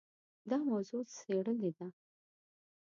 دا موضوع څېړلې ده.